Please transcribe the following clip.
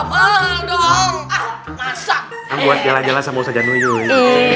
masak buat jalan jalan sama usaha jadwal